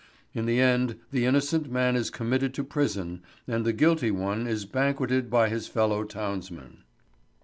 In the end the innocent man is committed to prison and the guilty one is banqueted by his fellow townsmen.